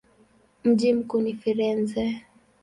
Mji mkuu ni Firenze.